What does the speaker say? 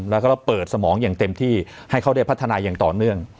แล้วก็เปิดสมองอย่างเต็มที่ให้เขาได้พัฒนาอย่างต่อเนื่อง